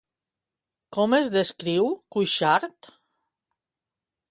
Com es descriu Cuixart?